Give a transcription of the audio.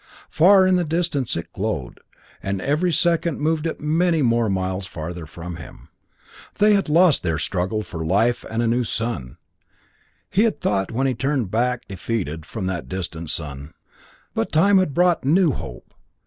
Far in the distance it glowed, and every second moved it many more miles farther from him. They had lost their struggle for life and a new sun, he had thought when he turned back, defeated, from that distant sun. But time had brought new hope.